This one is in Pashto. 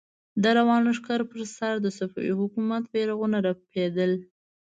د روان لښکر پر سر د صفوي حکومت بيرغونه رپېدل.